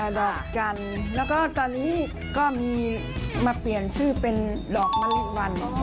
ดอกจันทร์แล้วก็ตอนนี้ก็มีมาเปลี่ยนชื่อเป็นดอกมะลิวัน